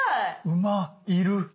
馬いる！